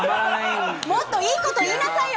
もっといいこと言いなさいよ！